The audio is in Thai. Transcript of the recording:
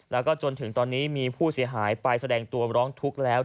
แล้วก็จนถึงตอนนี้มีผู้เสียหายไปแสดงตัวร้องทุกข์แล้ว